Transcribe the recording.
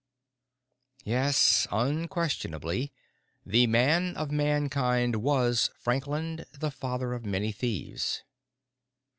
Yes, unquestionably The Man of Mankind was Franklin the Father of Many Thieves.